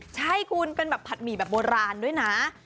ใช่คุณเป็นแบบผัดหมี่แบบโบราณด้วยนะ